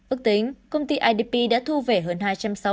ước tính công ty idp đã thu về hơn hai trăm sáu mươi hai tỷ đồng doanh thu